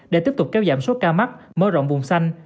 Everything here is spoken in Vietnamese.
để tiếp tục kéo giảm số ca mắc mơ rộng vùng xanh